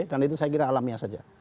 itu saya kira alamiah saja